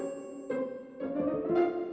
nanti aku mau pergi